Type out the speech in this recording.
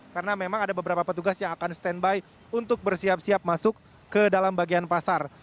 karena memang ada beberapa petugas yang akan stand by untuk bersiap siap masuk ke dalam bagian pasar